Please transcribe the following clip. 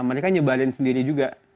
mereka nyebarin sendiri juga